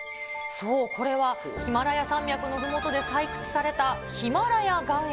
そう、これはヒマラヤ山脈のふもとで採掘されたヒマラヤ岩塩。